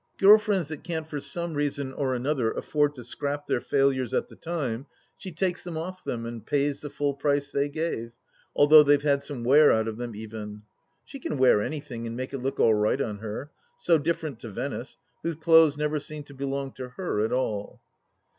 Girl friends that can't for some reason or another afford to scrap their failures at the time, she takes them off them and pays the full price they gave, although they've had some wear out of them even. She can wear anything and make it look all right on her ; so different to Venice, whose clothes never seem to belong to her at all.